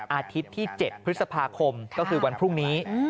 อาทิตย์ที่๗พฤษภาคมก็คือวันพรุ่งนี้